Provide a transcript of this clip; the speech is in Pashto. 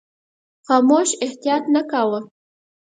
خاموش احتیاط نه کاوه.